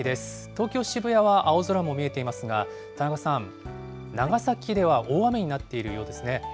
東京・渋谷は青空も見えていますが、田中さん、長崎では大雨になっているようですね。